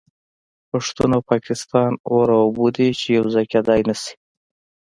پښتون او پاکستان اور او اوبه دي چې یو ځای کیدای نشي